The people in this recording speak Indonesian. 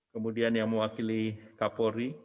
kemudian yang mewakili kapolri